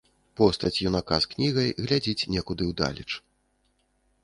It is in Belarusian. Постаць юнака з кнігай глядзіць некуды ўдалеч.